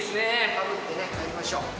かぶってね、入りましょう。